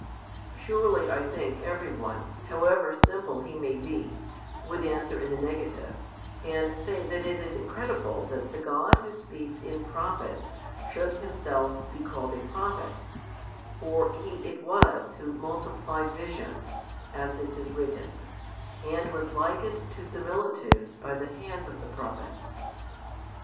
Surely, |169 I think, every one, however simple he may be, would answer in the negative, and say that it is incredible that the God Who speaks in prophets should Himself be called a prophet: for He it was Who multiplied visions, as it is written, and was likened to similitudes by the hands of the prophets.